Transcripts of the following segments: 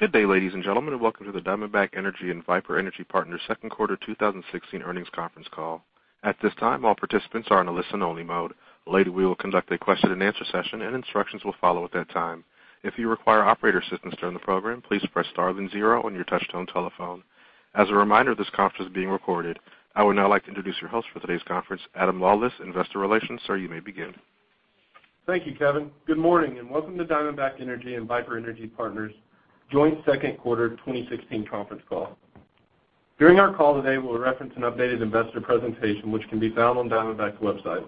Good day, ladies and gentlemen, and welcome to the Diamondback Energy and Viper Energy Partners second quarter 2016 earnings conference call. At this time, all participants are in a listen only mode. Later, we will conduct a question and answer session, and instructions will follow at that time. If you require operator assistance during the program, please press star then zero on your touchtone telephone. As a reminder, this conference is being recorded. I would now like to introduce your host for today's conference, Adam Lawlis, Investor Relations. Sir, you may begin. Thank you, Kevin. Good morning, and welcome to Diamondback Energy and Viper Energy Partners joint second quarter 2016 conference call. During our call today, we'll reference an updated investor presentation, which can be found on Diamondback's website.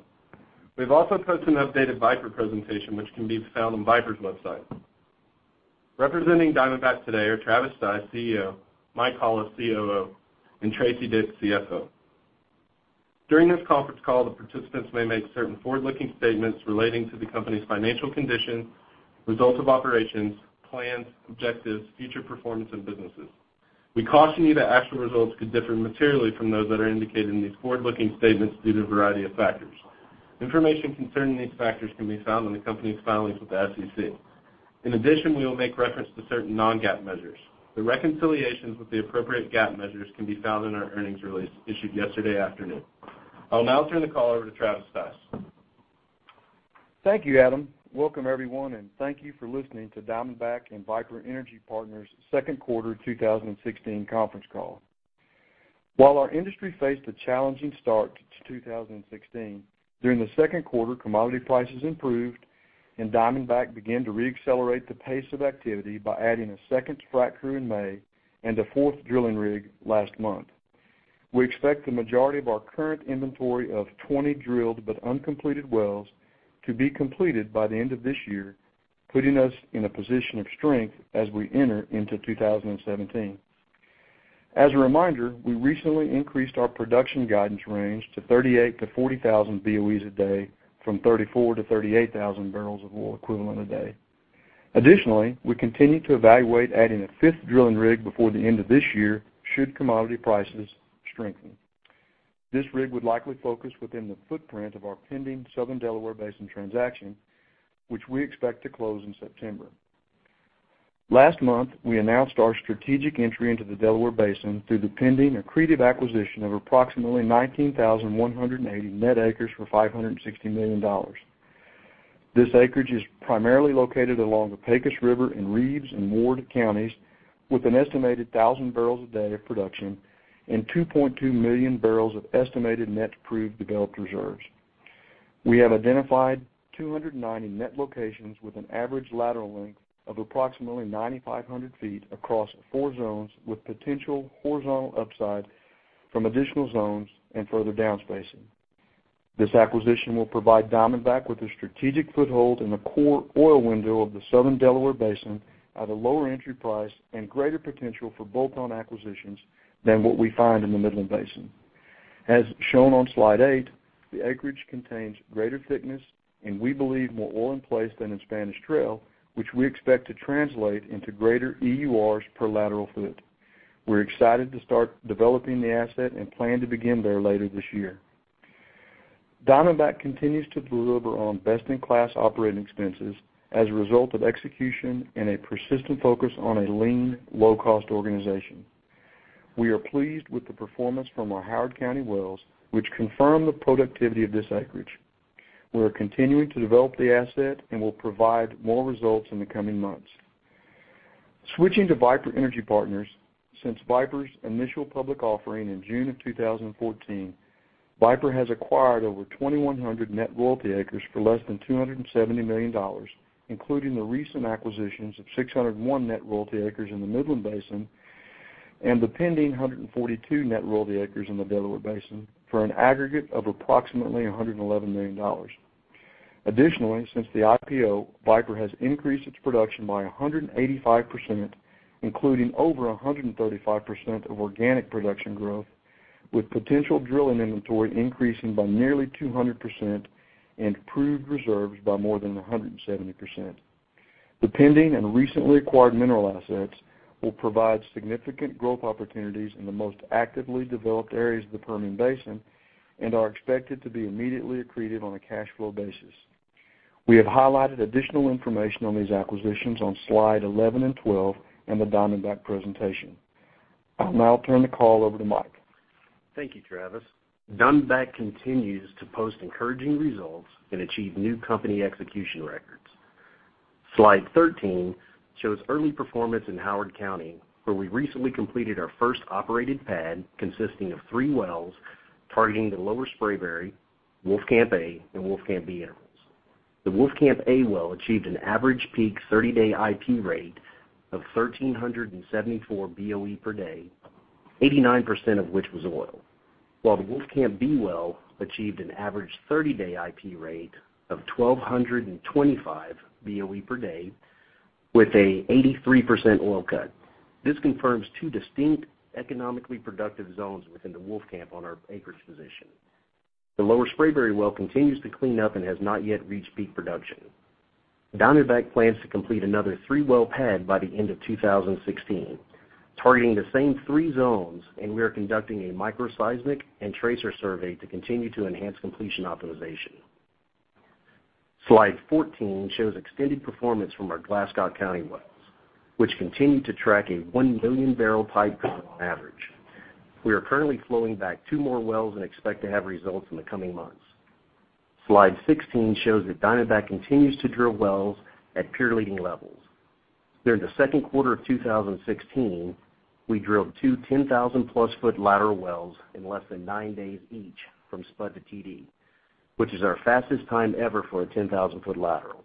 We've also posted an updated Viper presentation, which can be found on Viper's website. Representing Diamondback today are Travis Stice, CEO; Mike Hollis, COO, and Tracy Dick, CFO. During this conference call, the participants may make certain forward-looking statements relating to the company's financial condition, results of operations, plans, objectives, future performance and businesses. We caution you that actual results could differ materially from those that are indicated in these forward-looking statements due to a variety of factors. Information concerning these factors can be found in the company's filings with the SEC. In addition, we will make reference to certain non-GAAP measures. The reconciliations with the appropriate GAAP measures can be found in our earnings release issued yesterday afternoon. I'll now turn the call over to Travis Stice. Thank you, Adam. Welcome everyone, and thank you for listening to Diamondback and Viper Energy Partners' second quarter 2016 conference call. While our industry faced a challenging start to 2016, during the second quarter, commodity prices improved and Diamondback began to re-accelerate the pace of activity by adding a second frac crew in May and a fourth drilling rig last month. We expect the majority of our current inventory of 20 drilled, but uncompleted wells to be completed by the end of this year, putting us in a position of strength as we enter into 2017. As a reminder, we recently increased our production guidance range to 38,000 to 40,000 BOEs a day from 34,000 to 38,000 barrels of oil equivalent a day. Additionally, we continue to evaluate adding a fifth drilling rig before the end of this year, should commodity prices strengthen. This rig would likely focus within the footprint of our pending Southern Delaware Basin transaction, which we expect to close in September. Last month, we announced our strategic entry into the Delaware Basin through the pending accretive acquisition of approximately 19,180 net acres for $560 million. This acreage is primarily located along the Pecos River in Reeves and Ward counties with an estimated 1,000 barrels a day of production and 2.2 million barrels of estimated net proved developed reserves. We have identified 290 net locations with an average lateral length of approximately 9,500 feet across four zones, with potential horizontal upside from additional zones and further down spacing. This acquisition will provide Diamondback with a strategic foothold in the core oil window of the Southern Delaware Basin at a lower entry price and greater potential for bolt-on acquisitions than what we find in the Midland Basin. As shown on slide eight, the acreage contains greater thickness and we believe more oil in place than in Spanish Trail, which we expect to translate into greater EURs per lateral foot. We're excited to start developing the asset and plan to begin there later this year. Diamondback continues to deliver on best in class operating expenses as a result of execution and a persistent focus on a lean, low-cost organization. We are pleased with the performance from our Howard County wells, which confirm the productivity of this acreage. We are continuing to develop the asset and will provide more results in the coming months. Switching to Viper Energy Partners. Since Viper's initial public offering in June of 2014, Viper has acquired over 2,100 net royalty acres for less than $270 million, including the recent acquisitions of 601 net royalty acres in the Midland Basin and the pending 142 net royalty acres in the Delaware Basin for an aggregate of approximately $111 million. Additionally, since the IPO, Viper has increased its production by 185%, including over 135% of organic production growth, with potential drilling inventory increasing by nearly 200% and proved reserves by more than 170%. The pending and recently acquired mineral assets will provide significant growth opportunities in the most actively developed areas of the Permian Basin and are expected to be immediately accretive on a cash flow basis. We have highlighted additional information on these acquisitions on slide 11 and 12 in the Diamondback presentation. I'll now turn the call over to Mike. Thank you, Travis. Diamondback continues to post encouraging results and achieve new company execution records. Slide 13 shows early performance in Howard County, where we recently completed our first operated pad consisting of three wells targeting the Lower Spraberry, Wolfcamp A, and Wolfcamp B intervals. The Wolfcamp A well achieved an average peak 30-day IP rate of 1,374 BOE per day, 89% of which was oil. While the Wolfcamp B well achieved an average 30-day IP rate of 1,225 BOE per day with an 83% oil cut. This confirms two distinct economically productive zones within the Wolfcamp on our acreage position. The Lower Spraberry well continues to clean up and has not yet reached peak production. Diamondback plans to complete another three-well pad by the end of 2016, targeting the same three zones, and we are conducting a microseismic and tracer survey to continue to enhance completion optimization. Slide 14 shows extended performance from our Glasscock County wells, which continue to track a 1 million barrel pipe on average. We are currently flowing back two more wells and expect to have results in the coming months. Slide 16 shows that Diamondback continues to drill wells at peer-leading levels. During the second quarter of 2016, we drilled two 10,000-plus-foot lateral wells in less than nine days each from spud to TD, which is our fastest time ever for a 10,000-foot lateral.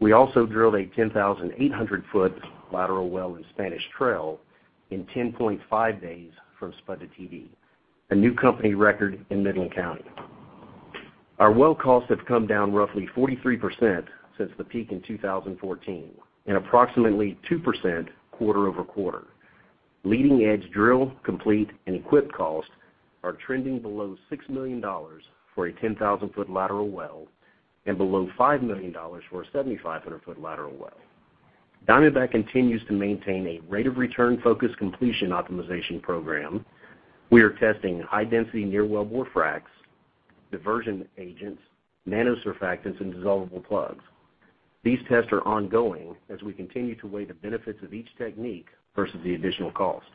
We also drilled a 10,800-foot lateral well in Spanish Trail in 10.5 days from spud to TD, a new company record in Midland County. Our well costs have come down roughly 43% since the peak in 2014 and approximately 2% quarter-over-quarter. Leading-edge drill, complete, and equip costs are trending below $6 million for a 10,000-foot lateral well and below $5 million for a 7,500-foot lateral well. Diamondback continues to maintain a rate of return-focused completion optimization program. We are testing high-density near-wellbore fracs, diversion agents, nanosurfactants, and dissolvable plugs. These tests are ongoing as we continue to weigh the benefits of each technique versus the additional cost.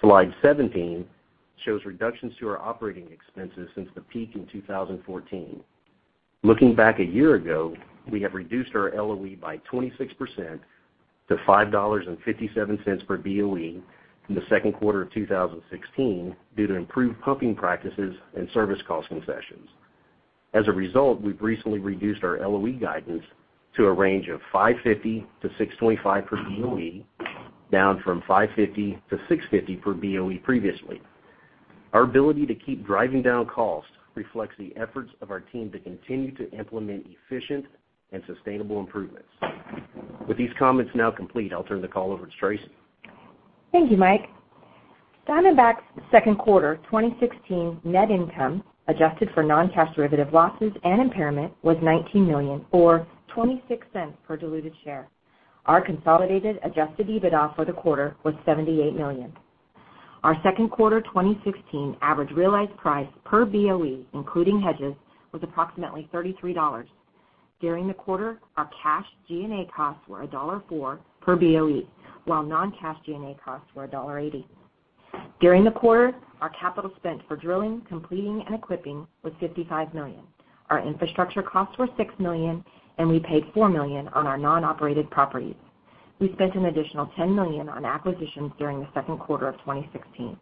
Slide 17 shows reductions to our operating expenses since the peak in 2014. Looking back a year ago, we have reduced our LOE by 26% to $5.57 per BOE from the second quarter of 2016 due to improved pumping practices and service cost concessions. As a result, we've recently reduced our LOE guidance to a range of $5.50-$6.25 per BOE, down from $5.50-$6.50 per BOE previously. Our ability to keep driving down costs reflects the efforts of our team to continue to implement efficient and sustainable improvements. With these comments now complete, I'll turn the call over to Tracy. Thank you, Mike. Diamondback's second quarter 2016 net income, adjusted for non-cash derivative losses and impairment, was $19 million, or $0.26 per diluted share. Our consolidated adjusted EBITDA for the quarter was $78 million. Our second quarter 2016 average realized price per BOE, including hedges, was approximately $33. During the quarter, our cash G&A costs were $1.04 per BOE, while non-cash G&A costs were $1.80. During the quarter, our capital spent for drilling, completing, and equipping was $55 million. Our infrastructure costs were $6 million, and we paid $4 million on our non-operated properties. We spent an additional $10 million on acquisitions during the second quarter of 2016.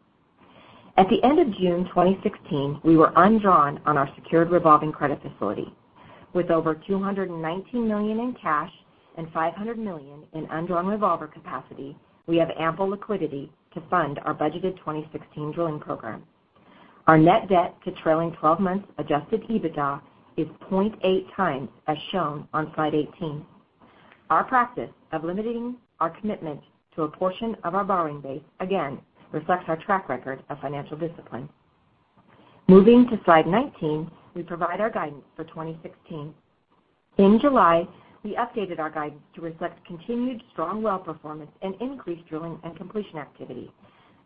At the end of June 2016, we were undrawn on our secured revolving credit facility. With over $219 million in cash and $500 million in undrawn revolver capacity, we have ample liquidity to fund our budgeted 2016 drilling program. Our net debt to trailing 12 months adjusted EBITDA is 0.8 times, as shown on slide 18. Our practice of limiting our commitment to a portion of our borrowing base, again, reflects our track record of financial discipline. Moving to slide 19, we provide our guidance for 2016. In July, we updated our guidance to reflect continued strong well performance and increased drilling and completion activity.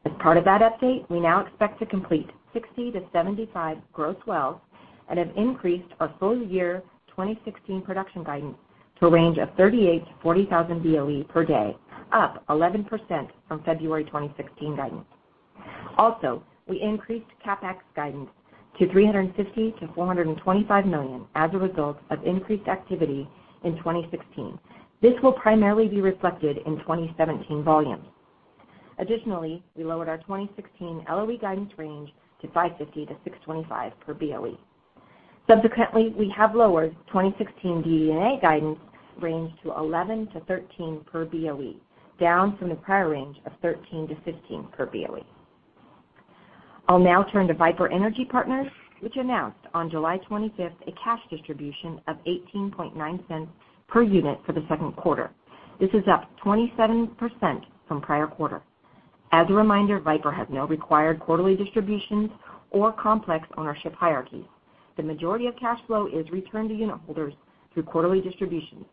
As part of that update, we now expect to complete 60-75 gross wells and have increased our full-year 2016 production guidance to a range of 38,000-40,000 BOE per day, up 11% from February 2016 guidance. We increased CapEx guidance to $350 million-$425 million as a result of increased activity in 2016. This will primarily be reflected in 2017 volumes. Additionally, we lowered our 2016 LOE guidance range to $5.50-$6.25 per BOE. Subsequently, we have lowered 2016 D&A guidance range to 11-13 per BOE, down from the prior range of 13-15 per BOE. I'll now turn to Viper Energy Partners, which announced on July 25th a cash distribution of $0.189 per unit for the second quarter. This is up 27% from the prior quarter. As a reminder, Viper has no required quarterly distributions or complex ownership hierarchies. The majority of cash flow is returned to unitholders through quarterly distributions,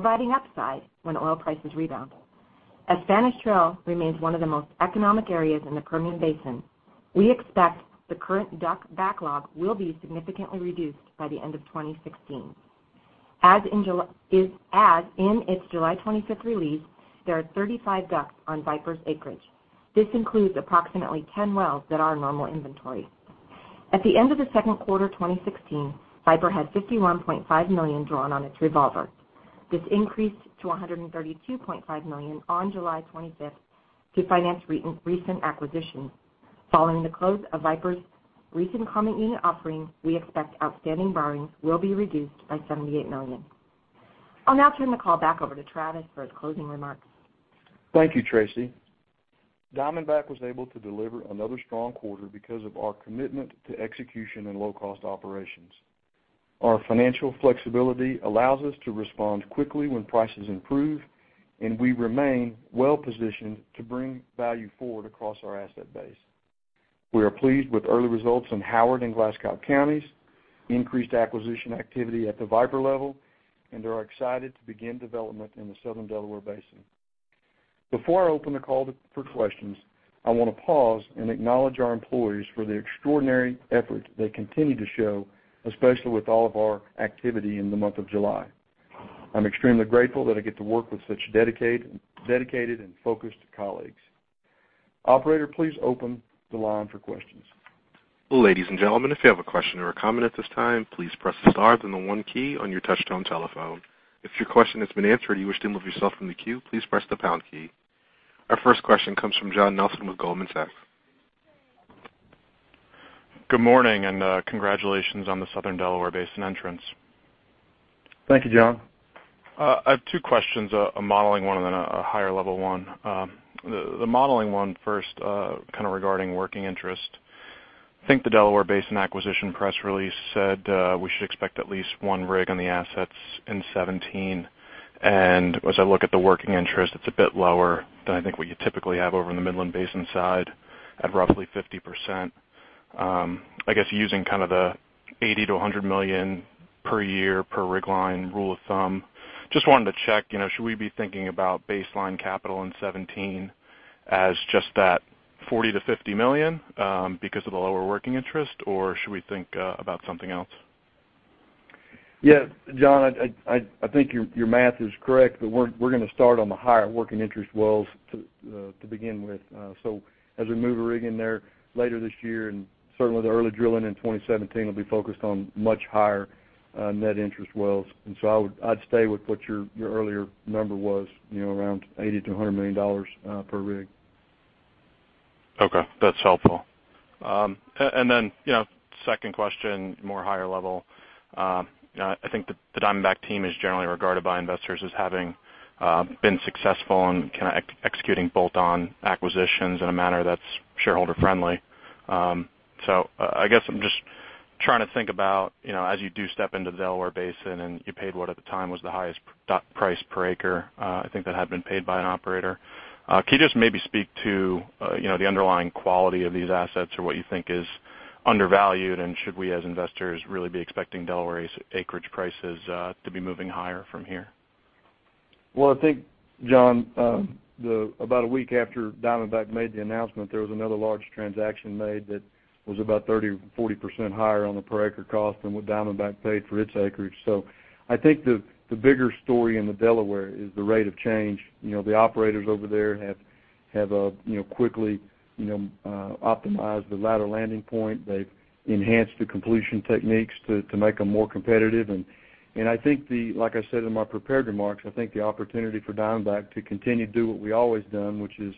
providing upside when oil prices rebound. As Spanish Trail remains one of the most economic areas in the Permian Basin, we expect the current DUC backlog will be significantly reduced by the end of 2016. As in its July 25th release, there are 35 DUCs on Viper's acreage. This includes approximately 10 wells that are in normal inventory. At the end of the second quarter 2016, Viper had $51.5 million drawn on its revolver. This increased to $132.5 million on July 25th to finance recent acquisitions. Following the close of Viper's recent common unit offering, we expect outstanding borrowings will be reduced by $78 million. I'll now turn the call back over to Travis for his closing remarks. Thank you, Tracy. Diamondback was able to deliver another strong quarter because of our commitment to execution and low-cost operations. Our financial flexibility allows us to respond quickly when prices improve, and we remain well-positioned to bring value forward across our asset base. We are pleased with early results in Howard and Glasscock counties, increased acquisition activity at the Viper level, and are excited to begin development in the Southern Delaware Basin. Before I open the call up for questions, I want to pause and acknowledge our employees for the extraordinary effort they continue to show, especially with all of our activity in the month of July. I'm extremely grateful that I get to work with such dedicated and focused colleagues. Operator, please open the line for questions. Ladies and gentlemen, if you have a question or a comment at this time, please press star then the 1 key on your touch-tone telephone. If your question has been answered and you wish to remove yourself from the queue, please press the pound key. Our first question comes from John Nelson with Goldman Sachs. Good morning, congratulations on the Southern Delaware Basin entrance. Thank you, John. I have two questions, a modeling one and then a higher level one. The modeling one first, kind of regarding working interest. I think the Delaware Basin acquisition press release said we should expect at least one rig on the assets in 2017. As I look at the working interest, it's a bit lower than I think what you typically have over in the Midland Basin side, at roughly 50%. I guess using the $80 million-$100 million per year per rig line rule of thumb, just wanted to check, should we be thinking about baseline capital in 2017 as just that $40 million-$50 million because of the lower working interest, or should we think about something else? John, I think your math is correct, we're going to start on the higher working interest wells to begin with. As we move a rig in there later this year, certainly the early drilling in 2017 will be focused on much higher net interest wells. I'd stay with what your earlier number was, around $80 million-$100 million per rig. That's helpful. Second question, more higher level. I think the Diamondback team is generally regarded by investors as having been successful in executing bolt-on acquisitions in a manner that's shareholder friendly. I guess I'm just trying to think about, as you do step into the Delaware Basin and you paid what at the time was the highest price per acre, I think that had been paid by an operator. Can you just maybe speak to the underlying quality of these assets or what you think is undervalued? Should we, as investors, really be expecting Delaware's acreage prices to be moving higher from here? I think, John, about a week after Diamondback made the announcement, there was another large transaction made that was about 30%-40% higher on a per acre cost than what Diamondback paid for its acreage. I think the bigger story in the Delaware is the rate of change. The operators over there have quickly optimized the latter landing point. They've enhanced the completion techniques to make them more competitive. I think, like I said in my prepared remarks, I think the opportunity for Diamondback to continue to do what we've always done, which is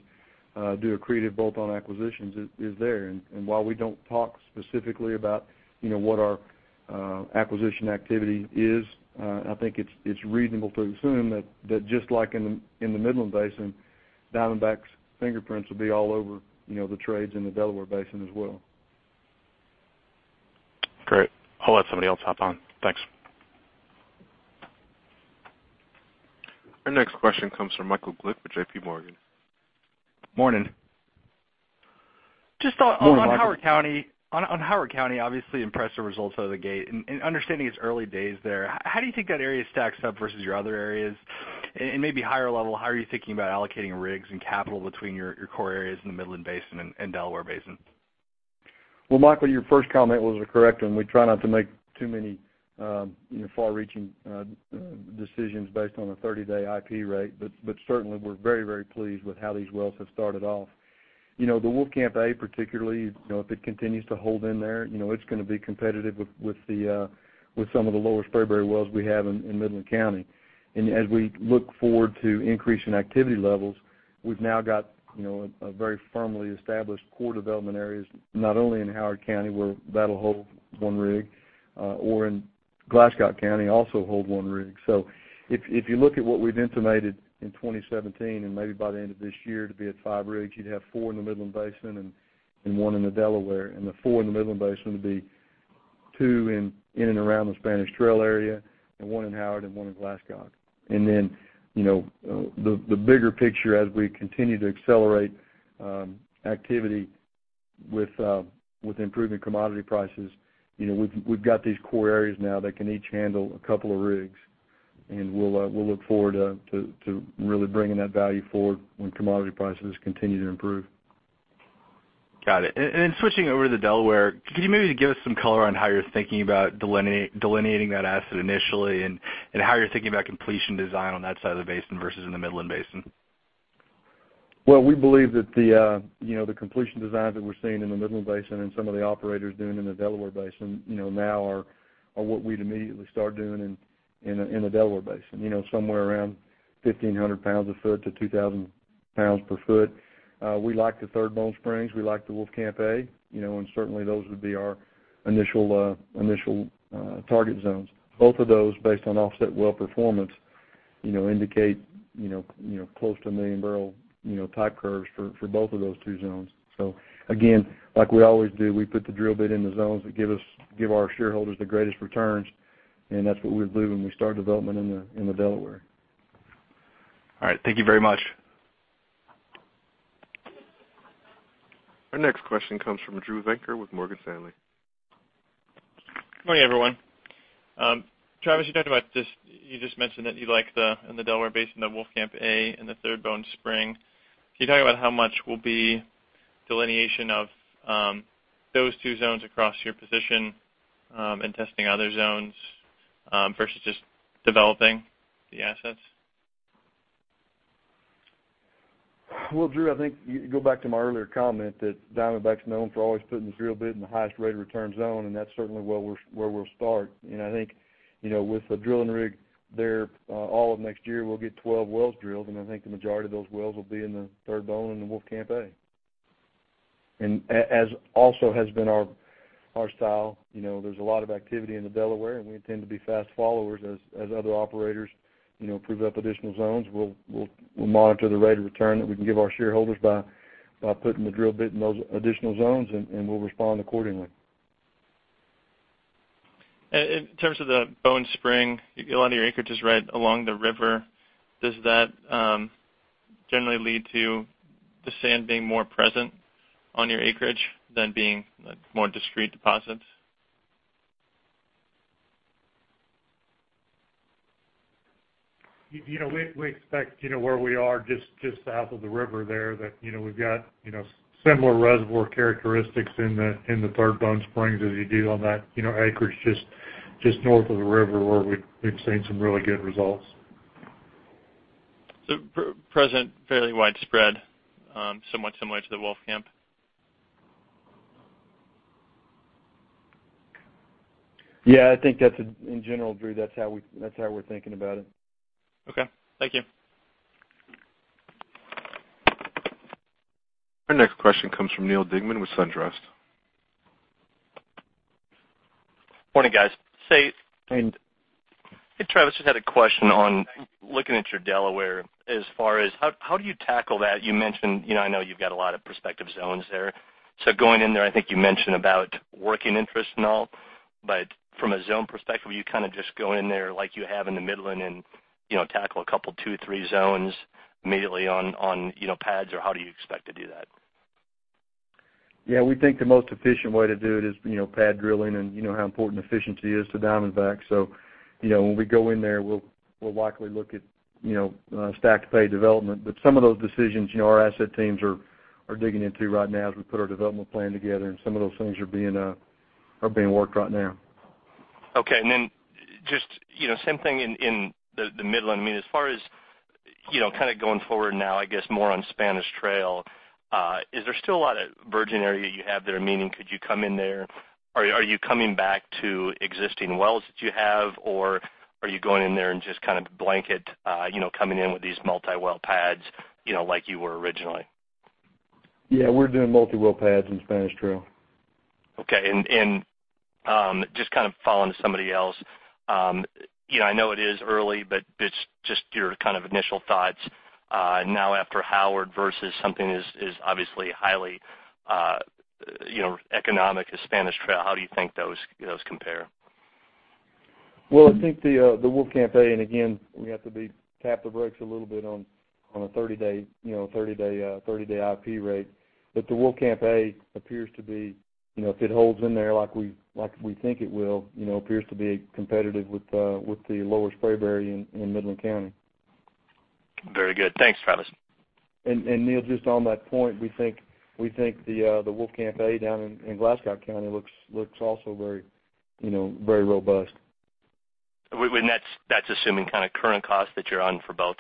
do accretive bolt-on acquisitions, is there. While we don't talk specifically about what our acquisition activity is, I think it's reasonable to assume that just like in the Midland Basin, Diamondback's fingerprints will be all over the trades in the Delaware Basin as well. Great. I'll let somebody else hop on. Thanks. Our next question comes from Michael Glick with JPMorgan. Morning. Morning, Michael. Just on Howard County, obviously impressed the results out of the gate. Understanding it's early days there, how do you think that area stacks up versus your other areas? Maybe higher level, how are you thinking about allocating rigs and capital between your core areas in the Midland Basin and Delaware Basin? Well, Michael, your first comment was a correct one. We try not to make too many far-reaching decisions based on a 30-day IP rate. Certainly, we're very pleased with how these wells have started off. The Wolfcamp A particularly, if it continues to hold in there, it's going to be competitive with some of the Lower Spraberry wells we have in Midland County. As we look forward to increasing activity levels, we've now got a very firmly established core development areas, not only in Howard County, where that'll hold one rig, or in Glasscock County, also hold one rig. If you look at what we've intimated in 2017, and maybe by the end of this year, to be at five rigs, you'd have four in the Midland Basin and one in the Delaware. The four in the Midland Basin would be two in and around the Spanish Trail area, and one in Howard and one in Glasscock. Then, the bigger picture as we continue to accelerate activity with improving commodity prices, we've got these core areas now that can each handle a couple of rigs. We'll look forward to really bringing that value forward when commodity prices continue to improve. Got it. Then switching over to the Delaware, could you maybe give us some color on how you're thinking about delineating that asset initially and how you're thinking about completion design on that side of the basin versus in the Midland Basin? We believe that the completion designs that we're seeing in the Midland Basin and some of the operators doing in the Delaware Basin now are what we'd immediately start doing in the Delaware Basin. Somewhere around 1,500 pounds a foot to 2,000 pounds per foot. We like the Third Bone Spring, we like the Wolfcamp A, and certainly those would be our initial target zones. Both of those based on offset well performance, indicate close to a million-barrel type curves for both of those two zones. Again, like we always do, we put the drill bit in the zones that give our shareholders the greatest returns, and that's what we believe when we start development in the Delaware. All right. Thank you very much. Our next question comes from Drew Venker with Morgan Stanley. Good morning, everyone. Travis, you just mentioned that you like in the Delaware Basin, the Wolfcamp A and the Third Bone Spring. Can you talk about how much will be delineation of those two zones across your position, and testing other zones, versus just developing the assets? Well, Drew, I think you go back to my earlier comment that Diamondback's known for always putting the drill bit in the highest rate of return zone, and that's certainly where we'll start. I think, with a drilling rig there all of next year, we'll get 12 wells drilled, and I think the majority of those wells will be in the Third Bone and the Wolfcamp A. As also has been our style, there's a lot of activity in the Delaware, and we intend to be fast followers as other operators prove up additional zones. We'll monitor the rate of return that we can give our shareholders by putting the drill bit in those additional zones, and we'll respond accordingly. In terms of the Bone Spring, a lot of your acreage is right along the river. Does that generally lead to the sand being more present on your acreage than being more discreet deposits? We expect where we are, just south of the river there, that we've got similar reservoir characteristics in the Third Bone Spring as you do on that acreage just north of the river where we've seen some really good results. Present, fairly widespread, somewhat similar to the Wolfcamp? Yeah, I think that's in general, Drew, that's how we're thinking about it. Okay. Thank you. Our next question comes from Neal Dingmann with SunTrust. Morning, guys. Morning. Hey Travis, just had a question on looking at your Delaware as far as how do you tackle that? I know you've got a lot of prospective zones there. Going in there, I think you mentioned about working interest and all, but from a zone perspective, you just go in there like you have in the Midland and tackle a couple, two, three zones immediately on pads, or how do you expect to do that? Yeah, we think the most efficient way to do it is pad drilling and you know how important efficiency is to Diamondback. When we go in there, we'll likely look at stack pay development. Some of those decisions our asset teams are digging into right now as we put our development plan together, and some of those things are being worked right now. Okay. Then just same thing in the Midland. As far as going forward now, I guess more on Spanish Trail, is there still a lot of virgin area you have there, meaning could you come in there? Are you coming back to existing wells that you have, or are you going in there and just blanket, coming in with these multi-well pads, like you were originally? Yeah, we're doing multi-well pads in Spanish Trail. Okay, just following somebody else. I know it is early, but just your initial thoughts, now after Howard versus something as obviously highly economic as Spanish Trail, how do you think those compare? Well, I think the Wolfcamp A. Again, we have to tap the brakes a little bit on a 30-day IP rate. The Wolfcamp A appears to be, if it holds in there like we think it will, appears to be competitive with the Lower Spraberry in Midland County. Very good. Thanks, Travis. Neal, just on that point, we think the Wolfcamp A down in Glasscock County looks also very robust. That's assuming current cost that you're on for both?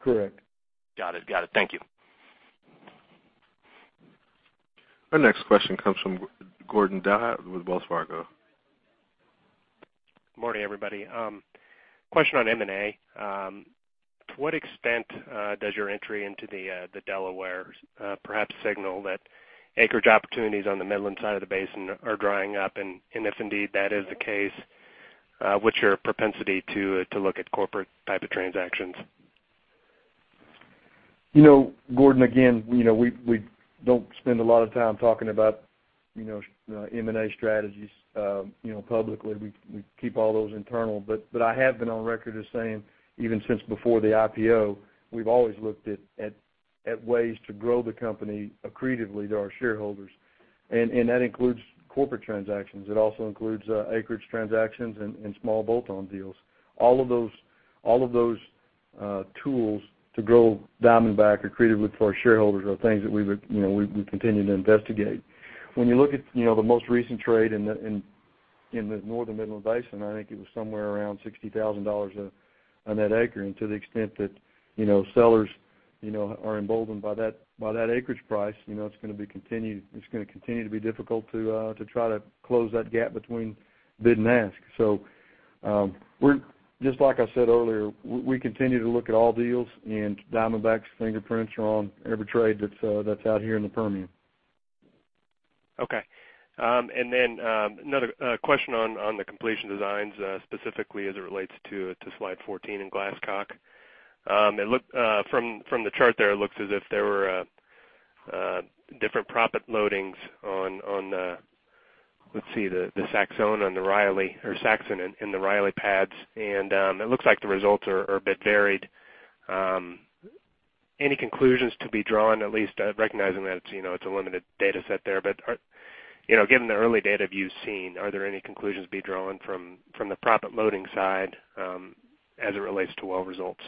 Correct. Got it. Thank you. Our next question comes from Gordon Douthat with Wells Fargo. Morning, everybody. Question on M&A. To what extent does your entry into the Delaware perhaps signal that acreage opportunities on the Midland side of the basin are drying up, and if indeed that is the case, what's your propensity to look at corporate type of transactions? Gordon, again, we don't spend a lot of time talking about M&A strategies publicly. We keep all those internal, but I have been on record as saying, even since before the IPO, we've always looked at ways to grow the company accretively to our shareholders, and that includes corporate transactions. It also includes acreage transactions and small bolt-on deals. All of those tools to grow Diamondback accretively for our shareholders are things that we continue to investigate. When you look at the most recent trade in the Northern Midland Basin, I think it was somewhere around $60,000 a net acre. To the extent that sellers are emboldened by that acreage price, it's going to continue to be difficult to try to close that gap between bid and ask. We're just like I said earlier, we continue to look at all deals, and Diamondback's fingerprints are on every trade that's out here in the Permian. Okay. Another question on the completion designs, specifically as it relates to slide 14 in Glasscock. From the chart there, it looks as if there were different proppant loadings on the Let's see, the Saxon and the Riley pads, and it looks like the results are a bit varied. Any conclusions to be drawn, at least recognizing that it's a limited data set there, but given the early data you've seen, are there any conclusions to be drawn from the proppant loading side as it relates to well results?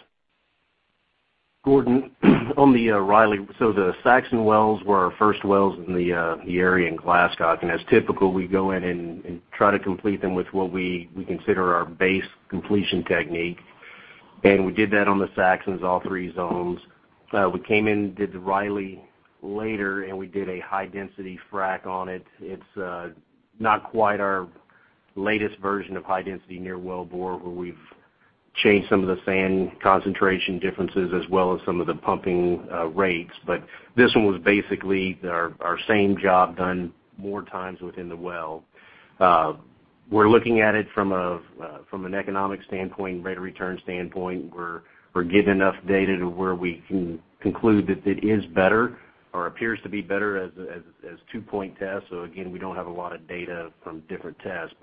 Gordon, on the Riley, the Saxon wells were our first wells in the area in Glasscock, and as typical, we go in and try to complete them with what we consider our base completion technique. We did that on the Saxons, all three zones. We came in, did the Riley later, and we did a high-density frack on it. It's not quite our latest version of high-density near-wellbore, where we've changed some of the sand concentration differences, as well as some of the pumping rates. This one was basically our same job done more times within the well. We're looking at it from an economic standpoint, rate of return standpoint. We're getting enough data to where we can conclude that it is better or appears to be better as two-point tests. Again, we don't have a lot of data from different tests,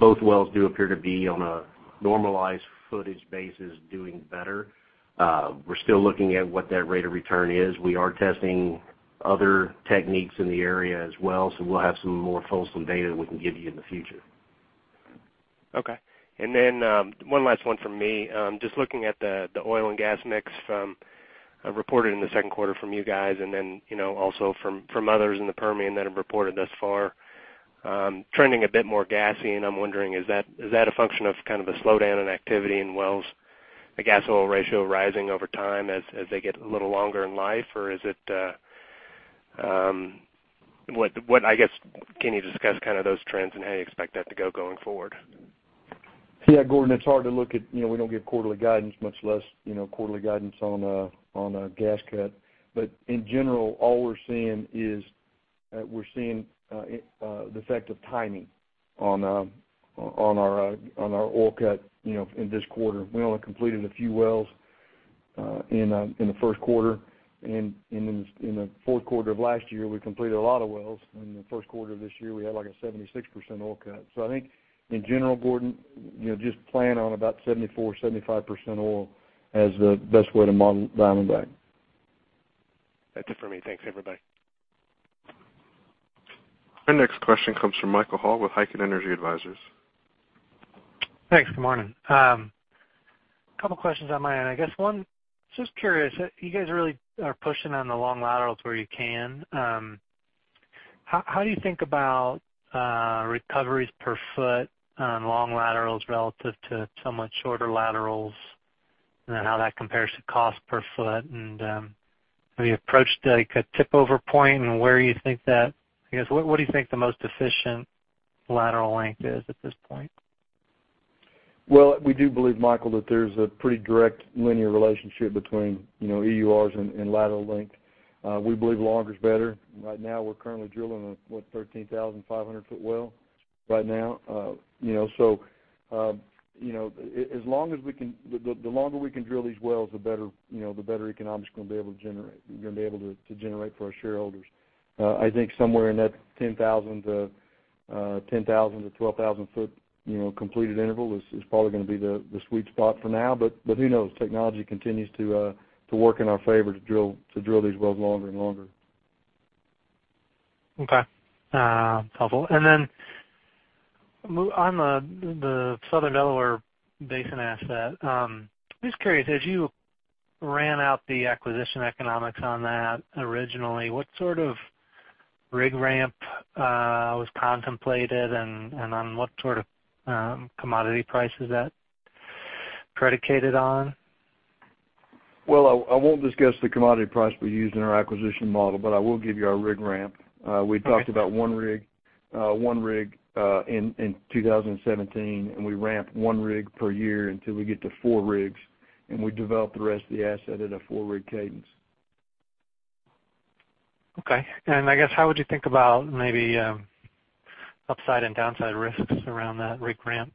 both wells do appear to be on a normalized footage basis, doing better. We're still looking at what that rate of return is. We are testing other techniques in the area as well, we'll have some more fulsome data we can give you in the future. Okay. One last one from me. Just looking at the oil and gas mix reported in the second quarter from you guys, and also from others in the Permian that have reported thus far. Trending a bit more gassy, I'm wondering, is that a function of a slowdown in activity in wells, the gas-oil ratio rising over time as they get a little longer in life? I guess, can you discuss those trends and how you expect that to go going forward? Gordon, we don't give quarterly guidance, much less quarterly guidance on our gas cut. In general, all we're seeing is we're seeing the effect of timing on our oil cut in this quarter. We only completed a few wells in the first quarter. In the fourth quarter of last year, we completed a lot of wells. In the first quarter of this year, we had a 76% oil cut. I think in general, Gordon, just plan on about 74%-75% oil as the best way to model Diamondback. That's it for me. Thanks, everybody. Our next question comes from Michael Hall with Heikkinen Energy Advisors. Thanks. Good morning. Couple questions on my end. I guess one, just curious, you guys really are pushing on the long laterals where you can. How do you think about recoveries per foot on long laterals relative to somewhat shorter laterals, and then how that compares to cost per foot? Have you approached a tip-over point and I guess, what do you think the most efficient lateral length is at this point? Well, we do believe, Michael Glick, that there's a pretty direct linear relationship between EURs and lateral length. We believe longer is better. Right now, we're currently drilling a, what, 13,500-foot well right now. The longer we can drill these wells, the better economics we're going to be able to generate for our shareholders. I think somewhere in that 10,000-12,000 foot completed interval is probably going to be the sweet spot for now. Who knows? Technology continues to work in our favor to drill these wells longer and longer. Okay. Helpful. Then on the Southern Delaware Basin asset, I'm just curious, as you ran out the acquisition economics on that originally, what sort of rig ramp was contemplated, and on what sort of commodity price is that predicated on? Well, I won't discuss the commodity price we used in our acquisition model, but I will give you our rig ramp. Okay. We talked about one rig in 2017, and we ramp one rig per year until we get to four rigs, and we develop the rest of the asset at a four-rig cadence. Okay. I guess how would you think about maybe upside and downside risks around that rig ramp?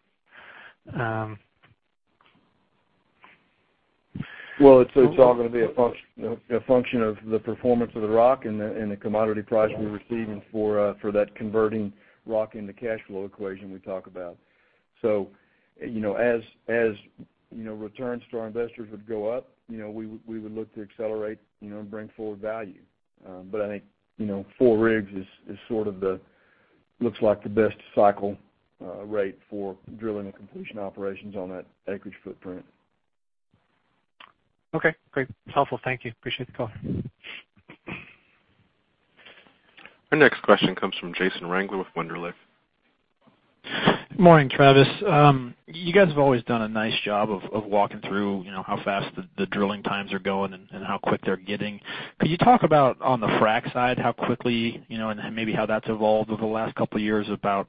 It's all going to be a function of the performance of the rock and the commodity price we're receiving for that converting rock into cash flow equation we talk about. As returns to our investors would go up, we would look to accelerate and bring forward value. I think four rigs looks like the best cycle rate for drilling and completion operations on that acreage footprint. Okay, great. That's helpful. Thank you. Appreciate the call. Our next question comes from Jason Wangler with Wunderlich. Good morning, Travis. You guys have always done a nice job of walking through how fast the drilling times are going and how quick they're getting. Could you talk about on the frack side, how quickly, and maybe how that's evolved over the last couple of years about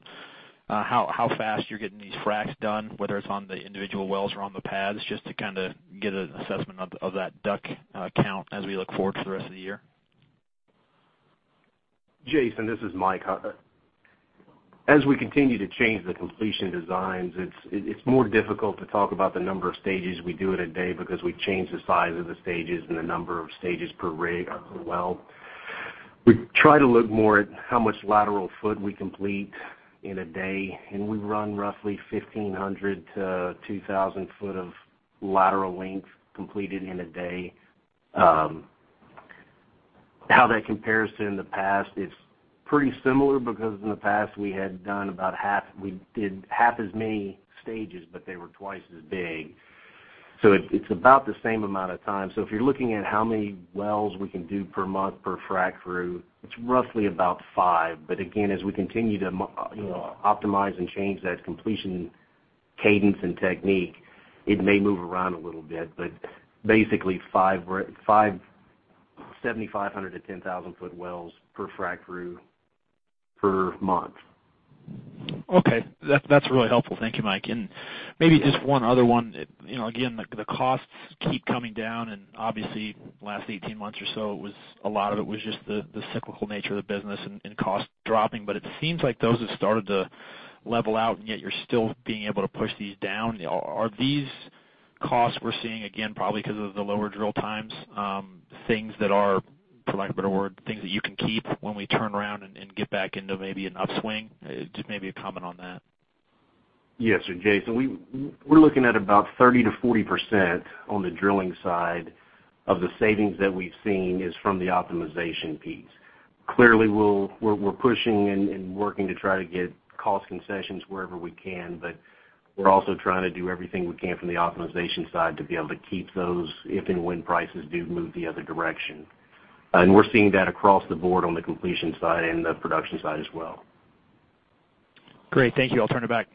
how fast you're getting these fracks done, whether it's on the individual wells or on the pads, just to get an assessment of that DUC count as we look forward to the rest of the year? Jason, this is Mike. As we continue to change the completion designs, it's more difficult to talk about the number of stages we do in a day because we change the size of the stages and the number of stages per rig or per well. We try to look more at how much lateral foot we complete in a day. We run roughly 1,500-2,000 foot of lateral length completed in a day. How that compares to in the past, it's pretty similar, because in the past we did half as many stages, but they were twice as big. It's about the same amount of time. If you're looking at how many wells we can do per month per frac crew, it's roughly about five. Again, as we continue to optimize and change that completion cadence and technique, it may move around a little bit, but basically 57,500 foot-10,000 foot wells per frac crew per month. Okay. That's really helpful. Thank you, Mike. Maybe just one other one. The costs keep coming down and obviously last 18 months or so, a lot of it was just the cyclical nature of the business and costs dropping. It seems like those have started to level out, yet you're still being able to push these down. Are these costs we're seeing, again, probably because of the lower drill times, things that are, for lack of a better word, things that you can keep when we turn around and get back into maybe an upswing? Just maybe a comment on that. Yes, sir, Jason, we're looking at about 30%-40% on the drilling side of the savings that we've seen is from the optimization piece. Clearly, we're pushing and working to try to get cost concessions wherever we can, but we're also trying to do everything we can from the optimization side to be able to keep those if and when prices do move the other direction. We're seeing that across the board on the completion side and the production side as well. Great. Thank you. I'll turn it back.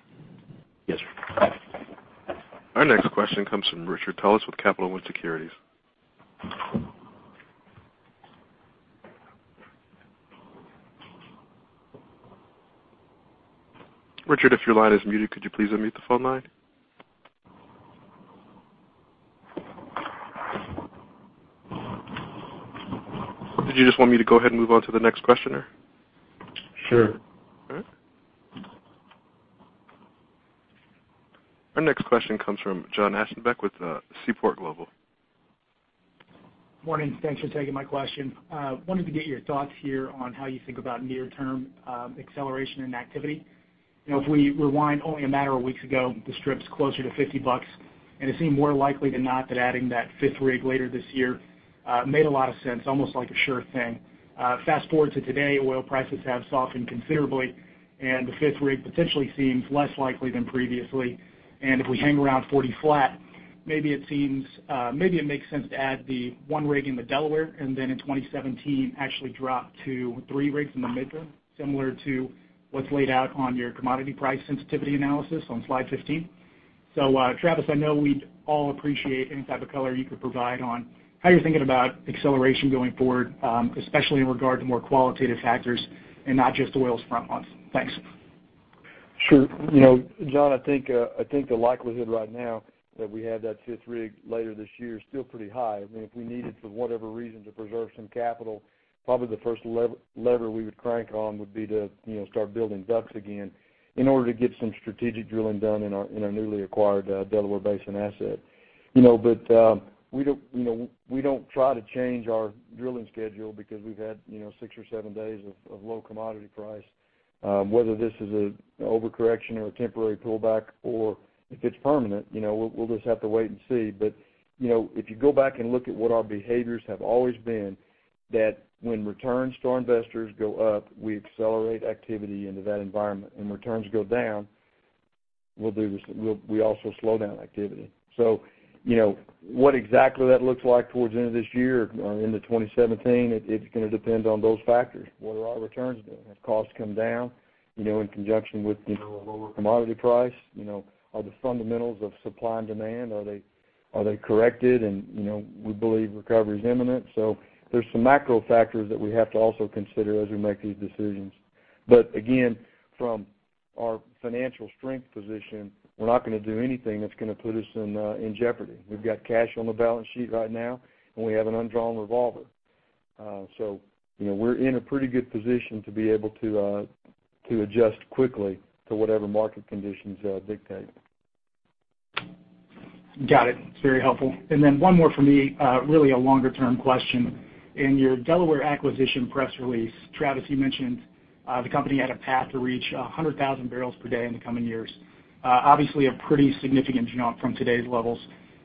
Yes, sir. Our next question comes from Richard Tullis with Capital One Securities. Richard, if your line is muted, could you please unmute the phone line? Did you just want me to go ahead and move on to the next questioner? Sure. All right. Our next question comes from John Aschenbeck with Seaport Global. Morning. Thanks for taking my question. Wanted to get your thoughts here on how you think about near-term acceleration and activity. If we rewind only a matter of weeks ago, the strip's closer to $50, and it seemed more likely than not that adding that fifth rig later this year made a lot of sense, almost like a sure thing. Fast-forward to today, oil prices have softened considerably, and the fifth rig potentially seems less likely than previously. If we hang around $40 flat, maybe it makes sense to add the one rig in the Delaware, and then in 2017, actually drop to three rigs in the Midland, similar to what's laid out on your commodity price sensitivity analysis on slide 15. Travis, I know we'd all appreciate any type of color you could provide on how you're thinking about acceleration going forward, especially in regard to more qualitative factors and not just oil's front months. Thanks. Sure. John, I think the likelihood right now that we have that fifth rig later this year is still pretty high. If we needed, for whatever reason, to preserve some capital, probably the first lever we would crank on would be to start building DUCs again in order to get some strategic drilling done in our newly acquired Delaware Basin asset. We don't try to change our drilling schedule because we've had six or seven days of low commodity price. Whether this is an overcorrection or a temporary pullback, or if it's permanent, we'll just have to wait and see. If you go back and look at what our behaviors have always been, that when returns to our investors go up, we accelerate activity into that environment. When returns go down, we also slow down activity. What exactly that looks like towards the end of this year or into 2017, it's going to depend on those factors. What are our returns doing? Have costs come down in conjunction with a lower commodity price? Are the fundamentals of supply and demand, are they corrected? We believe recovery is imminent. There's some macro factors that we have to also consider as we make these decisions. Again, from our financial strength position, we're not going to do anything that's going to put us in jeopardy. We've got cash on the balance sheet right now, and we have an undrawn revolver. We're in a pretty good position to be able to adjust quickly to whatever market conditions dictate. Got it. It's very helpful. One more from me, really a longer-term question. In your Delaware acquisition press release, Travis, you mentioned the company had a path to reach 100,000 barrels per day in the coming years. Obviously, a pretty significant jump from today's levels.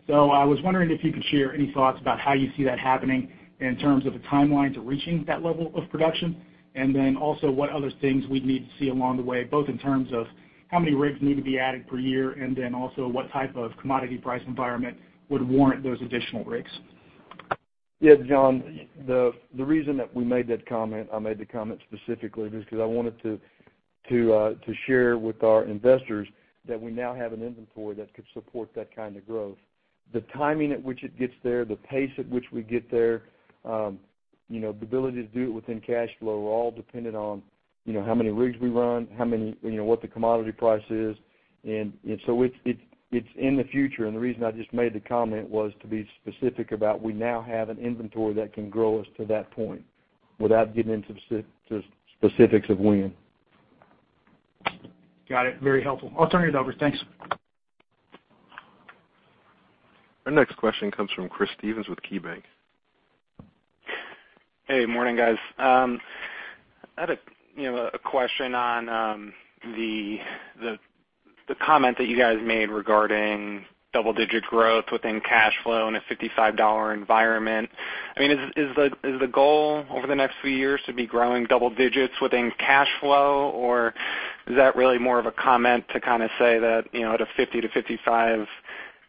I was wondering if you could share any thoughts about how you see that happening in terms of the timeline to reaching that level of production, and then also what other things we'd need to see along the way, both in terms of how many rigs need to be added per year, and then also what type of commodity price environment would warrant those additional rigs? Yeah, John, the reason that we made that comment, I made the comment specifically, was because I wanted to share with our investors that we now have an inventory that could support that kind of growth. The timing at which it gets there, the pace at which we get there, the ability to do it within cash flow are all dependent on how many rigs we run, what the commodity price is. It's in the future, and the reason I just made the comment was to be specific about we now have an inventory that can grow us to that point without getting into specifics of when. Got it. Very helpful. I'll turn it over. Thanks. Our next question comes from Chris Stevens with KeyBanc. Hey, morning guys. I had a question on the comment that you guys made regarding double-digit growth within cash flow in a $55 environment. Is the goal over the next few years to be growing double digits within cash flow, or is that really more of a comment to say that at a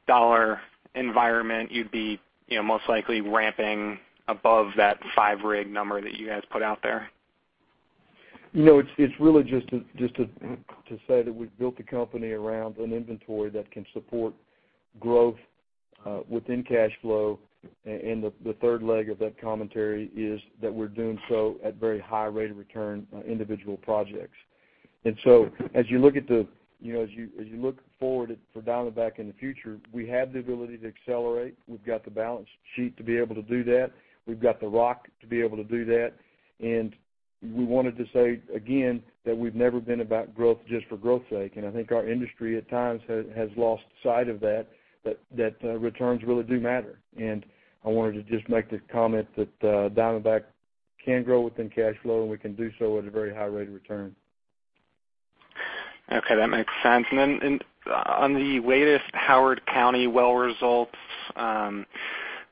$50-$55 environment, you'd be most likely ramping above that five rig number that you guys put out there? It's really just to say that we've built the company around an inventory that can support growth within cash flow. The third leg of that commentary is that we're doing so at very high rate of return on individual projects. As you look forward for Diamondback in the future, we have the ability to accelerate. We've got the balance sheet to be able to do that. We've got the rock to be able to do that, we wanted to say again that we've never been about growth just for growth's sake. I think our industry at times has lost sight of that returns really do matter. I wanted to just make the comment that Diamondback can grow within cash flow, and we can do so at a very high rate of return. Okay, that makes sense. On the latest Howard County well results,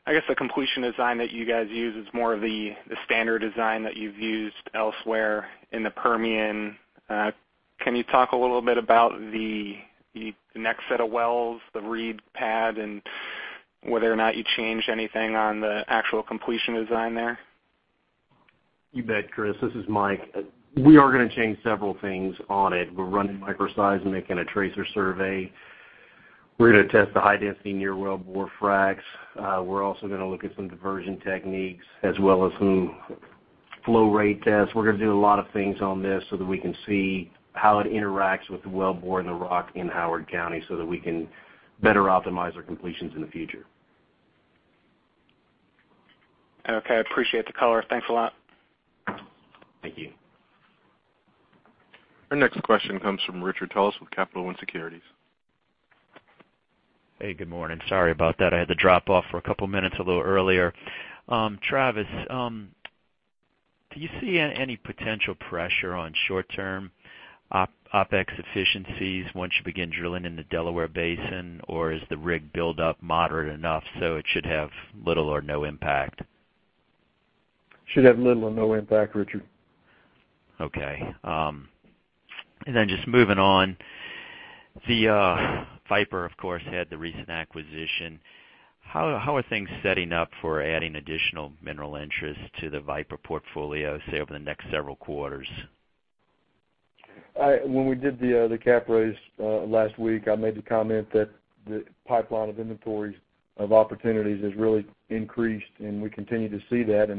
I guess the completion design that you guys use is more of the standard design that you've used elsewhere in the Permian. Can you talk a little bit about the next set of wells, the Reed pad, and whether or not you changed anything on the actual completion design there? You bet, Chris, this is Mike. We are going to change several things on it. We're running microseismic and a tracer survey. We're going to test the high-density near-wellbore fracs. We're also going to look at some diversion techniques as well as some flow rate tests. We're going to do a lot of things on this so that we can see how it interacts with the wellbore and the rock in Howard County so that we can better optimize our completions in the future. Okay. I appreciate the color. Thanks a lot. Thank you. Our next question comes from Richard Tullis with Capital One Securities. Hey, good morning. Sorry about that. I had to drop off for a couple of minutes a little earlier. Travis, do you see any potential pressure on short-term OpEx efficiencies once you begin drilling in the Delaware Basin, or is the rig buildup moderate enough so it should have little or no impact? It should have little or no impact, Richard. Okay. Just moving on. Viper, of course, had the recent acquisition. How are things setting up for adding additional mineral interests to the Viper portfolio, say over the next several quarters? When we did the cap raise last week, I made the comment that the pipeline of inventories of opportunities has really increased, and we continue to see that.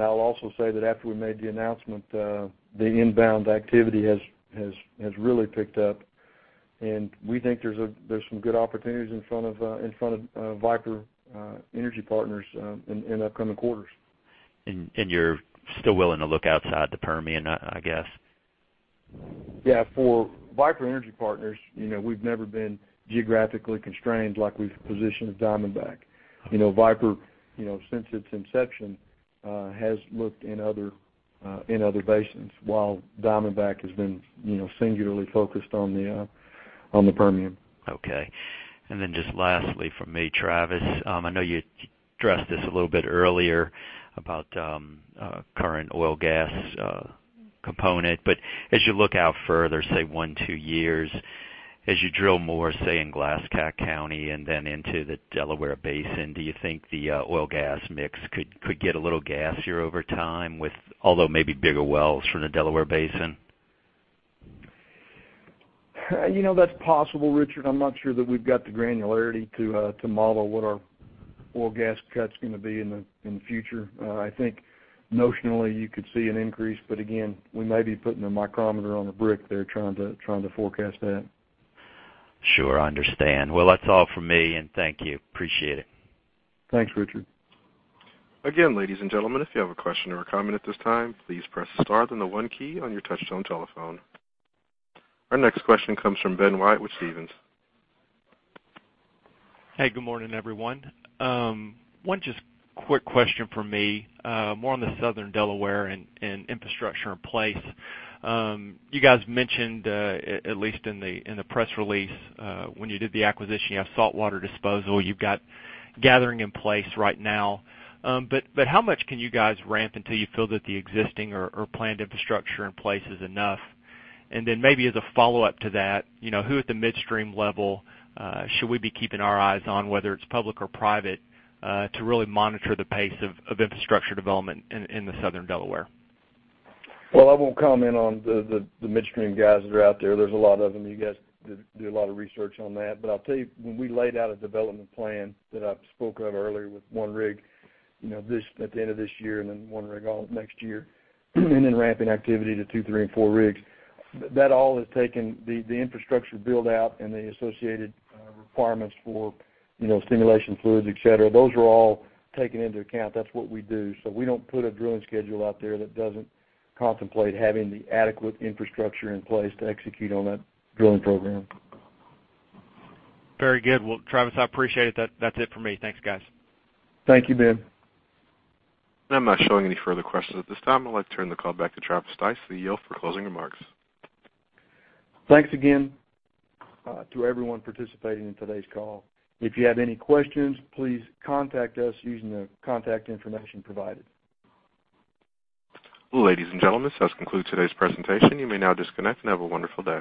I'll also say that after we made the announcement, the inbound activity has really picked up, and we think there's some good opportunities in front of Viper Energy Partners in upcoming quarters. You're still willing to look outside the Permian, I guess? Yeah. For Viper Energy Partners, we've never been geographically constrained like we've positioned Diamondback. Viper, since its inception, has looked in other basins while Diamondback has been singularly focused on the Permian. Okay. Just lastly from me, Travis, I know you addressed this a little bit earlier about current oil gas component, as you look out further, say one, two years, as you drill more, say, in Glasscock County and then into the Delaware Basin, do you think the oil gas mix could get a little gassier over time with although maybe bigger wells from the Delaware Basin? That's possible, Richard. I'm not sure that we've got the granularity to model what our oil gas cut's going to be in the future. I think notionally you could see an increase. Again, we may be putting a micrometer on the brick there trying to forecast that. Sure. I understand. Well, that's all from me. Thank you. Appreciate it. Thanks, Richard. Again, ladies and gentlemen, if you have a question or a comment at this time, please press star then the one key on your touchtone telephone. Our next question comes from Ben Wyatt with Stephens. Hey, good morning, everyone. One just quick question from me, more on the Southern Delaware and infrastructure in place. You guys mentioned, at least in the press release, when you did the acquisition, you have saltwater disposal, you've got gathering in place right now. How much can you guys ramp until you feel that the existing or planned infrastructure in place is enough? Then maybe as a follow-up to that, who at the midstream level should we be keeping our eyes on, whether it's public or private, to really monitor the pace of infrastructure development in the Southern Delaware? Well, I won't comment on the midstream guys that are out there. There's a lot of them. You guys do a lot of research on that. I'll tell you, when we laid out a development plan that I spoke of earlier with one rig at the end of this year and then one rig all of next year, and then ramping activity to two, three and four rigs, that all has taken the infrastructure build-out and the associated requirements for stimulation fluids, et cetera. Those are all taken into account. That's what we do. We don't put a drilling schedule out there that doesn't contemplate having the adequate infrastructure in place to execute on that drilling program. Very good. Well, Travis, I appreciate it. That's it for me. Thanks, guys. Thank you, Ben. I'm not showing any further questions at this time. I'd like to turn the call back to Travis Stice, the CEO, for closing remarks. Thanks again to everyone participating in today's call. If you have any questions, please contact us using the contact information provided. Ladies and gentlemen, this does conclude today's presentation. You may now disconnect and have a wonderful day.